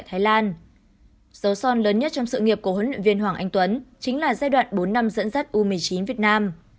dấu son lớn nhất trong sự nghiệp của huấn luyện viên hoàng anh tuấn chính là giai đoạn bốn năm dẫn dắt u một mươi chín việt nam